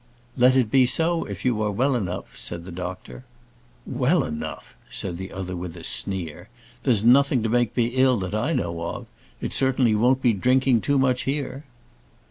"Let it be so, if you are well enough," said the doctor. "Well enough!" said the other, with a sneer. "There's nothing to make me ill that I know of. It certainly won't be drinking too much here."